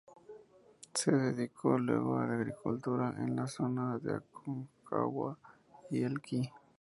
Se dedicó luego a la agricultura en la zona de Aconcagua y Elqui.